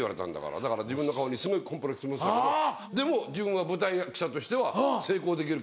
だから自分の顔にすごいコンプレックス持ってたけどでも自分は舞台役者としては成功できる顔。